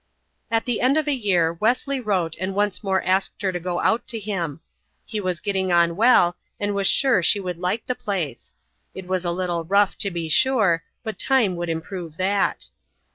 At the end of a year Wesley wrote and once more asked her to go out to him. He was getting on well, and was sure she would like the place. It was a little rough, to be sure, but time would improve that.